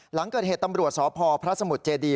หลังเกิดเหตุตำรวจสพพระสมุทรเจดี